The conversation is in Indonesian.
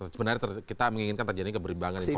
sebenarnya kita menginginkan terjadi keberimbangan informasi